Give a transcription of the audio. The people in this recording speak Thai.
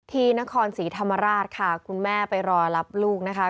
ที่นครศรีธรรมราชค่ะคุณแม่ไปรอรับลูกนะคะ